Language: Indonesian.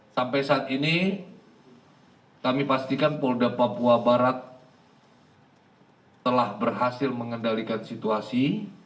sampai saat ini kami pastikan polda papua barat telah berhasil mengendalikan situasi